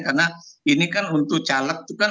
karena ini kan untuk caleg itu kan